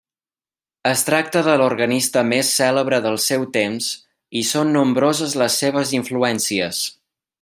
Es tracta de l'organista més cèlebre del seu temps i són nombroses les seves influències.